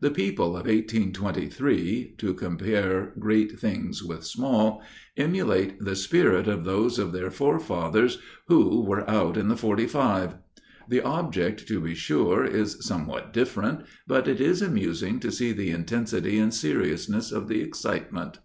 The people of 1823 (to compare great things with small) emulate the spirit of those of their forefathers who "were out in the forty five;" the object, to be sure, is somewhat different, but it is amusing to see the intensity and seriousness of the excitement.